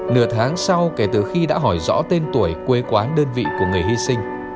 nửa tháng sau kể từ khi đã hỏi rõ tên tuổi quê quán đơn vị của người hy sinh